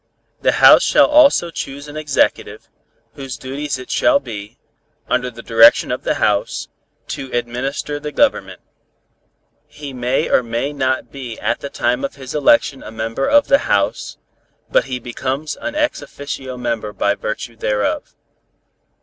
The House shall also choose an Executive, whose duties it shall be, under the direction of the House, to administer the Government. He may or may not be at the time of his election a member of the House, but he becomes an ex officio member by virtue thereof. 6.